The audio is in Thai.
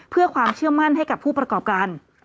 เพื่อความเชื่อมั่นให้กับผู้ประกอบการ